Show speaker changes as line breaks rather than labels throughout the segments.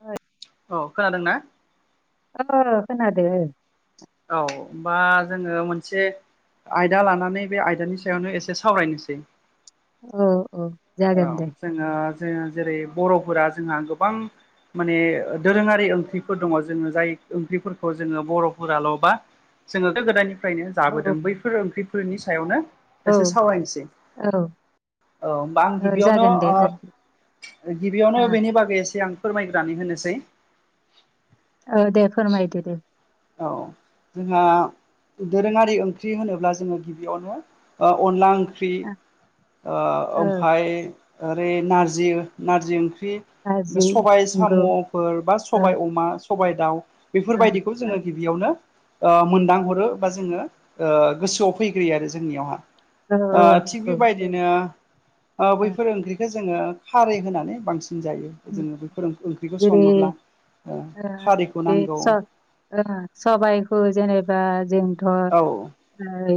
औ [unintelligible]
औ खोनादों ना?
ओ खोनादों ओ
औ बा जोंङो मोनसे आयदा लानानै बे आयदानि सायावनो एसे सावरायनोसै।
औ औ जागोन दे।
जोंङो जे जेरै बर'फोरा जोंहा गोबां माने दोरोंङारि ओंख्रिफोर दंङो जोंङो जाय ओंख्रिफोरखौ जोंङो बर'फोराल' बा जोंङो गोदाननिफ्रायनो जाबोदों
औ
बैफोर ओंख्रिफोरनि सायावनो
औ
एसे सावरायनोसै
औ
औ। आं गिबियावनो
जागोन दे अके
ओ
ओ
गिबियावनो बेनि बागै एसे आं फोरमायग्रोनानै होनोसै।
ओ दे फोरमायदो दे।
औ जोंहा दोरोङारि ओंख्रि होनोब्ला जोंङो गिबियावनो ओ अनला ओं ख्रि
ओ
ओ ओमफाय ओरै नारजि नारजि ओंख्रि
गाज्रि
सबाय
नंगौ
साम'फोर, बा
ओ
सबाय अमा, सबाय दाउ
ओ
बेफोरबायदि। जोंङो गिबियावनो ओ मोनदांहरो बा जोंङो ओ गोसोआव फैग्रोयो आरो जोंनियावहा।
ओ
आ थिग
नंगौ
बिबाय दिनो ओ बैफोर ओंख्रिखौ जोंङो खारै होनानै बांसिन जायो। जोंङो बेफोर ओंख्रिखौ
जेरै
संङोब्ला ओ
ओ
खारिैखौ नांगौ।
सबाइखौ जेनेबा जोंथ'
औ
ओइ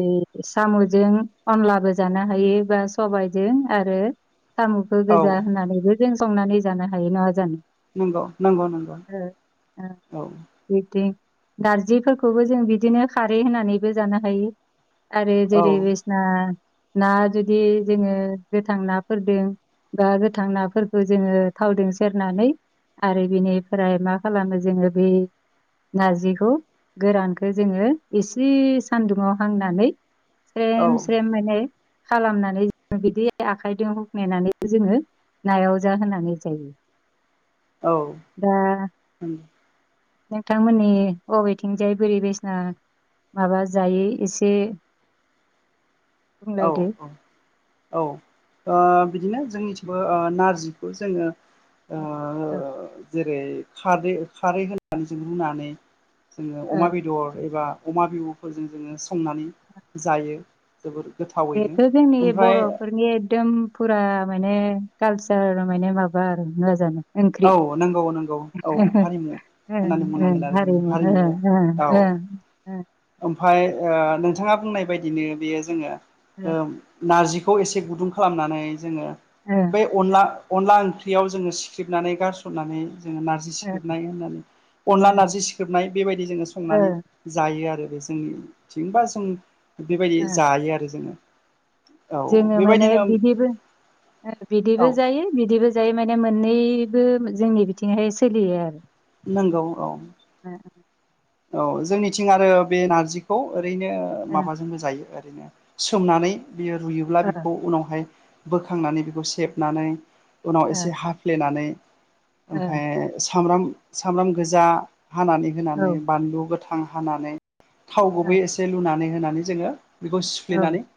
साम'जों अनलाबो जानो हायो बा सबायाइजों आरो साम'खौ
औ
गोजा होननानैबो जों संनानै जानो हायो, नङा जानो?
नंगौ नंगौ नंगौ - औ
बिबदि नारजिफोरखौबो जों बिदिनो खारै होनानैबो जानो हायो। आरोे
औ
जेरै बेसना ना जुदि जोंङो गोथां नाफोरदों बा गोथां नाफोरखौ जोंङो थावजों सेरनानै आरो बेनिफ्राय मा खालामो जोंङो बे नारजिखौ गोरानखौ जोङो एसे सान्दुंङाव हांनानै स्रेम
औ
स्रेम माने खालामनानै जो बिदि आखाइजों हुफनेनानै जोंङो नायाव जा होनानै जायो
औ
- दा नोंथांमोननि अबेथिंजाय बोरै बेसना माबा जायो एसे
औ
बुंलायदो
औ औ ओ बिदिनो जोंनिथिबो ओ नारजिखौ जोंङो ओ
औ
जेरै खारै खारै होनानै जों रुनानै जोंङो अमा
ओ
बेदर एबा अमा बिहुफोरजों जोङो संनानै जायो जोबोर गोथावैनो
बेथ' जोंनि
ओमफ्राय
बर'फोरनि एकदम फुरा माने कालसार माने माबा आरो नङा जानो? ओंख्रि
औ नंगौ नंगौ औ
ओं
हारिमु होननानै
ओं
बुंनांगोन आरो जों
हारिमु ओं
हारिमुआव
ओं
औ।
ओं
ओमफाय ओ नोंथाङा बुंनाय बायदिनो बेयो जोङो
ओं
ओम नारजिखौ एसे गुदुं खालामनानै जोङो
ओं
बै अनला अनला ओंख्रियाव जोङो सिख्रिबनानै गारसननानै जोङो नार जि
ओं
सिखोबनाय होननानै अनला नारजि सिखोबनाय बेबायदि जोङो
ओं
संनानै
ओं
जायो आरो। बे जोंनथिं बा जों बेबायदि
ओं
जायो आरो जोङो। औ
जोङो माने
बेबायदिनो
बिदिबो
औ
बिदिबो जायो बिदिबो जायो माने मोननैबो जोंनि बिथिंहाय सोलियो आरो।
नंगौ औ
[unintelligible]
औ जोंनिथिं आरो बे नारजिखौ ओरैनो माबाजोंबो जायो ओरैनो सोमनानै बियो रुयोब्ला
ओ
बेखौ उनावहाय बोखांनानै बेखौ सेबनानै उनाव एसे हाफ्लेनानै ओमफ्राय ओ सामब्राम सामब्राम गोजा हानानै
ओ
होनानै बानलु गोथां हानानै थाव
औ
गुबै एसे लुनानै होनानै जोङो बेखौ
औ
सिफ्लेनानै
ओ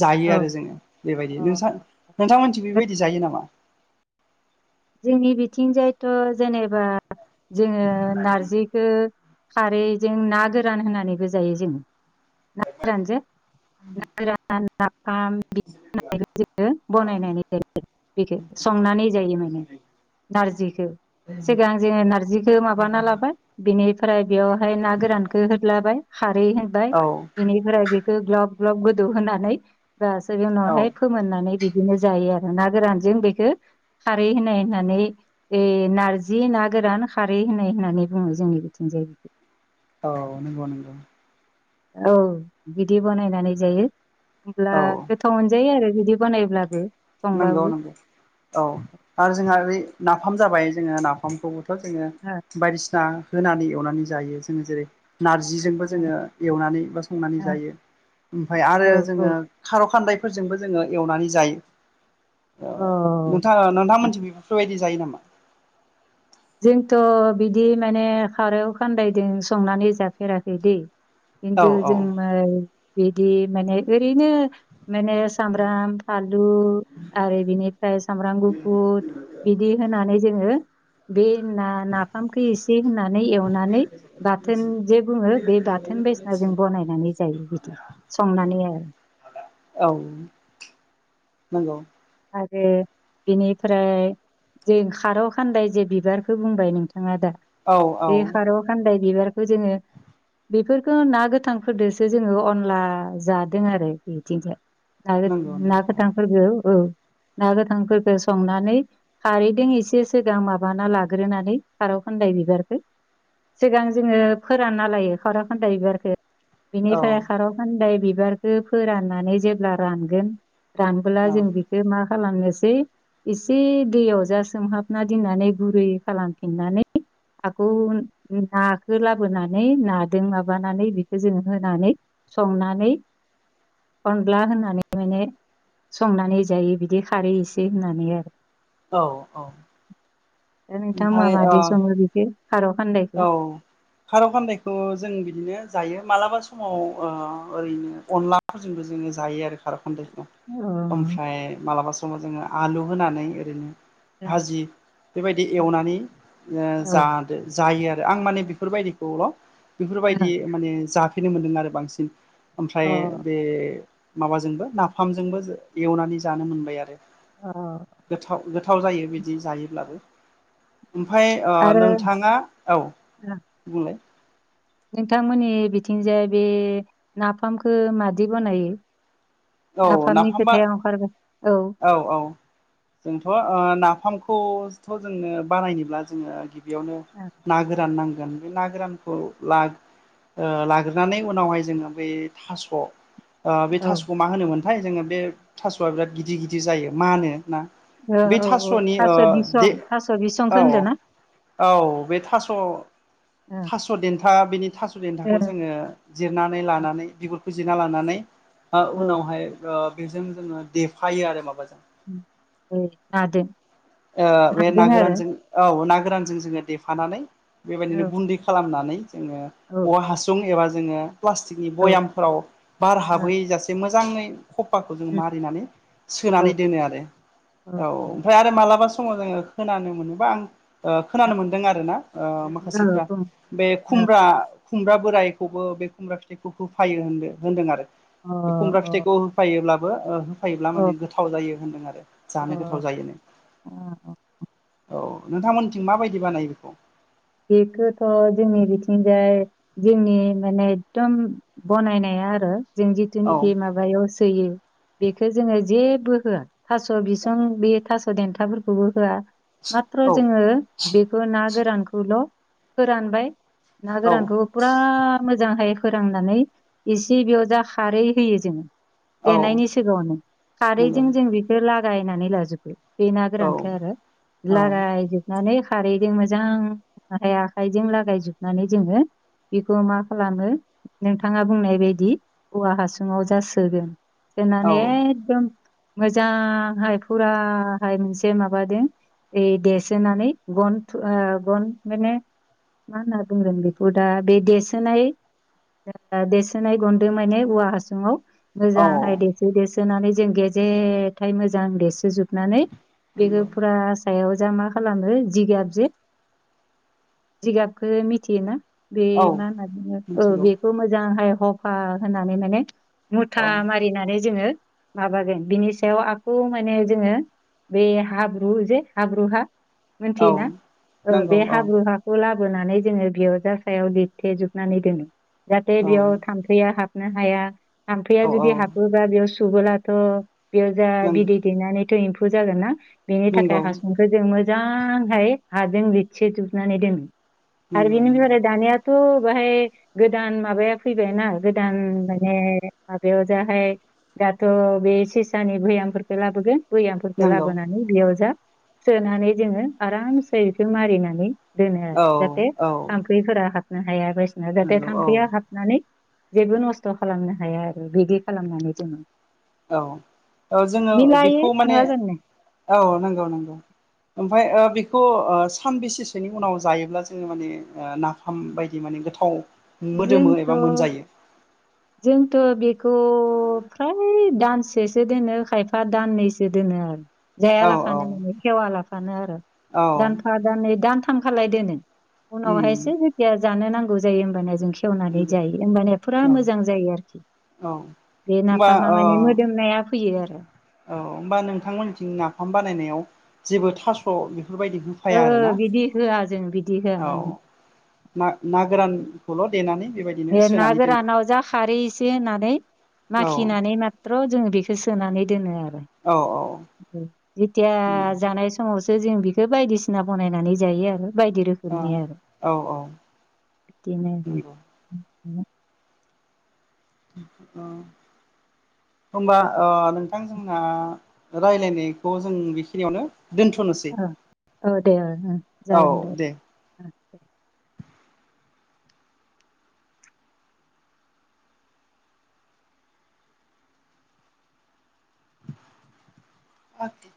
जायो आरो जोङो बेबायदि
औ औ
नोंसा नोंथांमोनथिं
अ
बेबायदि जायो नामा?
जोंनि बिथिंजायथ' जेनेबा जोङो नारजि- खो खारैजों ना गोरान होनानैबो जायो जों। ना गोरानजो। ना गोरान नाफाम बिदि होननानैबो जोङो बनायनानै जायो। बेखो संनानै जायो माने। नारजिखौ सिगां जोङो नारजिखौ माबाना लाबाय। बे निफ्राय बेवहाय ना गोरानखौ होदलाबाय खारै होबाय
औ
बेनिफ्राय बेखौ ग्लब ग्लब गोदौ होनानै [unintelligible] बे
औ
उनावहाय फोमोननानै बिदिनो जायो आरो ना गोरानजों बेखौ खारै होनाय होननानै ओ नारजि ना गोरान खारै होननाय होननानै बुङो जोंनि बिथिंजाय बेखौ।
औ नंगौ नंगौ
औ बिदि बनायनानै जायो। होमब्ला
औ
गोथाव मोनजायो आरो बिदि बानायब्लाबो।
नंगौ
संबाबो
नंगौ औ आरो जोंहा ओरै नाफाम जाबाय जोङो नाफामखौ बो जोङो
ओ
बायदिसिना होनानै एवनानै जायो जोङो जेरै नारजिजोंबो जोङो एवनानै बा संनानै जायो। ओमफ्राय आरो
ओ ओ औ
जोङो खारौ खान्दायफोरजोंबो जोङो एवनानै जायो। औ नोंथां नोंथांमोनथिं बेफोर बायदि जायो नामा?
जोंथ' बिदि माने खारौ खानदायजों संनानै जाफेराखै दै।
औ
खिन्थु
औ
जों मा बिदि माने ओरैनो माने‌ सामब्राम फानलु आरो बिनिफ्राय सामब्राम गुफुर बिदि होनानै जोङो बे ना-नाफामखौ एसे होननानै एवनानै नानै बाथोन जे बुङो बे बाथोन बायसिना जों बनायनानै जायो बिदि। संनानै औ
औ नंगौ
आरो बेनिफ्राय जे खारौ खान्दाय जे बिबारखौ बुंबाय नोंथाङा दा।
औ औ
बे खारौ खान्दाय बिबारखौ जोङो बेफोरखौ ना गोथांफोरदोंसो जोङो अनला जादों आरो बिथिंजाय। आरो
नंगौ
ना
नंगौ
गोथांफोरखौ औ ना गोथांफोरखौ संनानै खारैदों एसे सिगां माबाना लाग्रोनानै खारौ खान्दाय बिबारखौ सिगां जोङो फोरानना लायो खारौ खान्दाय बिबारखौ
औ
बिनिफ्राय खारौ खान्दाय बिबारखौ फोराननानै जेब्ला रानगोन रानबोला
औ
जों बेखौ मा खालामनोसै एसे दैयाव जा सोमहाबना दोननानै गुरै खालामफिननानै। आकौ नाखौ लाबोनानै नादों माबानानै बेखौ जोङो होनानै संनानै अनला होननानै माने संनानै जायो बिदि खारै इसे होननानै आरो।
औ औ
दा
ओमफ्राय
नोंथांमोना मादि
ओ
सङो बेखौ खार' खान्दायखौ?
खारखान्दायखौ जों बिदिनो जायो मालाबा समाव ओ ओरैनो अनला फोरजोंबो जोंङो जायो आरो खारखान्दायखौ।
औ
ओमफ्राय मालाबा समाव जोंङो आलु होनानै ओरैनो भाजि दि एवनानै ओ जादों जायो आरो आं माने बेफोरबायदिखौल' बेफोरबायदि माने जाफेरनो मोन्दों आरो बांसिन
औ
ओमफ्राय बे माबाजोंबो नाफामजोंबो एवनानै जानो मोनबाय आरो।
अ
गोथाव गोथाव जायो बिदि जायोब्लाबो। ओमफ्राय ओ
आरो
नोंथाङा औ बुंलाय।
नोंथांमोननि बिथिंजाय बे नाफामखौ मादि बनायो?
औ
नाफामनि
नाफाम बा
खोथाया ओंखारगोन औ।
औ औ जोंथ' ओ नाफामखौथ' जोंनो बानायनोब्ला जोंङो गिबियावनो
औ
ना गोरान नांगोन। बे ना गोरानखौ ला ओ लाग्रोनानै उनावहाय जोंङो बै थास' ओ बे थास'खौ मा होनोमोनथाय जोंङो बे थास'आ बिराद गिदिर गिदिर जायो मा होनो ना?
औ
बे
औ औ
थास'नि ओ
थास' बिसं
दे
थास'
औ
बिसंखौ होनदों ना
औ। औ बे थास'
[unintelligible]
थास' देन्था बेनि थास' देन्थाखौ जोंङो जिरनानै लानानै बिगुरखौ जिरना लानानै
औ
उनावहाय ओ बेजों जोंङो देफायो आरो माबाजों।
[unintelligible]
ओ बे
नाजों
ना
आरो
गोरानजों औ ना गोरानजों जोंङो देफानानै बेबायदिनो
औ
गुन्दै खालामनानै जोंङो
औ
औवा हासुं एबा जोंङो प्लास्टिकनि
औ
बयामफोराव बार हाबै जासे मोजाङै हफाखौ जों मारिनानै
औ
सोनानै दोनो आरो औ ओमफ्राय आरो मालाबा समाव जोंङो खोनानो मोनोबा आं
औ
खोनानो मोनदों आरोना ओ
ओ
माखासिफ्रा
बुं
बे
ओ अ
खुमब्रा खुमब्रा बोरायखौबो बे खुमब्रा फिथाइखौ होफायो होनदों होनदों आरो। बे खुमब्रा फिथाइखौ होफायोब्लाबो ओ फायोब्ला
अ
माने गोथाव जायो होन्दों आरो
अ
जानो गोथाव जायोनो।
अ अ
औ नोंथांमोननिथिं माबायदि बानायो बेखौ?
बेखौथ जोंनि बिथिजाय जोंनि माने एदम बनायनाया आरो जों
औ
जिथुनिखि माबायाव सोयो बेखौ जोंङो जेबो होआ थास' बिसं बे थास' देन्थाफोरखौबो होआ। माथ्र
औ
जोंङो बेखौ ना गोरानखौल' फोरानबाय ना गोरानखौ
औ
फुरा मोजांहाय फोरांनानै एसे बेयाव जा खारै होयो जोंङो।
औ
देनायनि सिगाङावनो
नंगौ
खारैजों जों बेखौ लागायनानै लाजोबो। बे ना
औ
गोरानखौ आरो
औ
लागायजोबनानै खारैजों मोजां आखाय आखाइजों लागायजोबनानै जोंङो बेखौ मा खालामो नोंथाङा बुंनाय बायदि औवा हासुङाव जा सोगोन। सोनानै
औ
एदम मोजांहाय फुराहाय मोनसे माबादों दे देसोनानै गन थु ओ गन माने मा होनना बुंगोन बेखौ दा बे देसोनाय देसोनाय गुन्दै माने औवा हासुुंआव मोजांहाय
औ
देसो देसोनानै जों गेजेथाय मोजां देरसोजोबनानै बेखौ
नंगौ
फुरा सायाव जा मा खालामो जिगाबजे जिगाबखौ मिथियोना बे
औ
मा होनना बुङो औ
मिथिगौ
बे खौ मोजांहाय हफा होनानै माने मुथा
औ
मारिनानै जोंङो माबागोन बिनि सायाव आखो माने जोंङो बे हाब्रु जे हाब्रु हा मोनथियो
औ
ना?
नंगौ
बे
औ
हाब्रु हाखौ लाबोनानै जोङो बेयावजा सायाव लिरथेजोबनानै दोनो। जाहाथे
औ
बेयाव थाम्फैया हाबनो हाया थाम्फैया
औ औ
जुदि हाब बोबा बेयाव सुबुबोलाथ' बेयाव जा
नंगौ
बिदै दैेनानैथ' एम्फौ जागोन ना [unintelligible] बेनि थाखाय
नंगौ
हासुंखौ जों मोजांहाय हाजों लिरथिजोबनानै दोनो। आरो
नंगौ नंगौ
बिनिबालाय दानियाथ' बाहाय गोदान माबाया फैबाय ना गोदान माने माबायाव जाहाय दाथ' बे सेसानि भैयामफोरखौ लाबोगोन। बैयामफोरखौ
नंगौ
लाबोनानै बेयाव जा सोनानै जोङो आरामसे बेखौ मारिनानै दोनो
औ
आरो जाहाथे
औ
थाम्फैफोरा हाबनो हाया बायदिसिना जाहाथे
नंगौ औ
थाम्फैया हाब माने जेबो नस्थ' खालामनो हाया आरो बिदि खालामनानै जोङो
औ औ जोङो
मिलायो
बेखौ माने
नङा जोंनो
औ नंगौ नंगौ ओमफफ्राय ओ बेखौ ओ सान बेसेसोनि उनाव जायोब्ला जोङो माने नाफाम बायदि माने गोथाव मोदोमो एबा
जोंथ'
मोनजायो?
जोंथ' बेखौ फ्राय दानसेसो दोनो खायफा दाननैसो दोनो आरो
औ औ
जायालाफानो माने हेवालाफानो आरो
औ
दानफा दाननै दानथामखलाय दोनो।
उम
उनावहायसो जेथिया जानो नांगौ जायो होमबानया जों खेवनानै
नंगौ
जायो होमबानया फुरा
औ
मोजां जायो आरोखि
औ
बे
होमबा
नाफामा
ओ
माने मोदोमनाया फैयो आरो
औ होमबा नोंथांमोननिथिं नाफाम बानायनायाव जेबो थास' बेफोरबायदि
ओ
होफाया आरोना
बिदि होआ जों बिदि
औ
होआ
ना ना गोरानखौल' देनानै बेबायदिनो
ए ना
सोनानै दोनो
गोरानाव जा खारै एसे होनानै
औ
माखिनानै माथ र' जोङो बेखौ सोनानै दोनो आरो।
औ औ।
जेथिया
नंगौ
जानाय समावसो जों बेखौ बायदिसिना बनायनानै जायो आरो बायदि रोखोम
औ औ नंगौ
[unintelligible] आरो [unintelligible]
अ होमबा अ नोंथां जोंना रायलायनायखौ जों बेखिनियावनो दोन्थ'नोसै।
ओ दे ओ ओ।
औ
जागोन ओ
दे अके